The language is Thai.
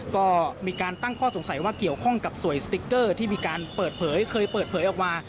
ก็มีการตั้งข้อสงสัยว่าเกี่ยวข้องกับสวยสติ๊กเกอร์ที่มีการเปิดเผยเคยเปิดเผยออกมา